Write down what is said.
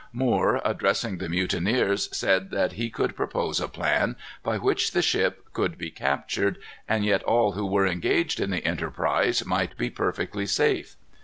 Moore, addressing the mutineers, said that he could propose a plan by which the ship could be captured, and yet all who were engaged in the enterprise might be perfectly safe.